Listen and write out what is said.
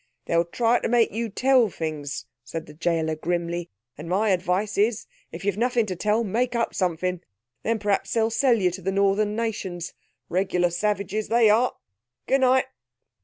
"They'll try to make you tell things," said the gaoler grimly, "and my advice is if you've nothing to tell, make up something. Then perhaps they'll sell you to the Northern nations. Regular savages they are. Good night."